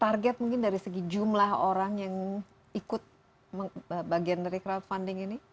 target mungkin dari segi jumlah orang yang ikut bagian dari crowdfunding ini